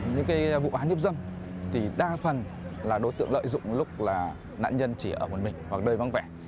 những cái vụ án hiếp dân thì đa phần là đối tượng lợi dụng lúc là nạn nhân chỉ ở một mình hoặc đơi vắng vẻ